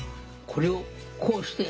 これをこうして！